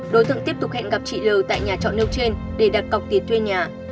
đối tượng tiếp tục hẹn gặp chị l tại nhà trọ nêu trên để đặt cọc tiền thuê nhà